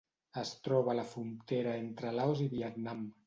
Es troba a la frontera entre Laos i Vietnam.